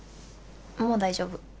もう大丈夫。